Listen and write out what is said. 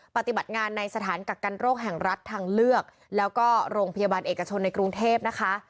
ปฏิบัติงานในสถานกักกันโรคแห่งรัฐทางเลือกแล้วก็โรงพยาบาลเอกชนในกรุงเทพนะคะ